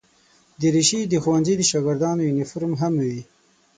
دریشي د ښوونځي د شاګردانو یونیفورم هم وي.